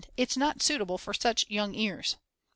It's not suitable for such young ears."